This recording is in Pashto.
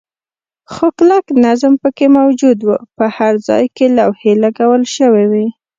خو کلک نظم پکې موجود و، په هر ځای کې لوحې لګول شوې وې.